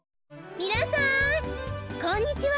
みなさんこんにちは。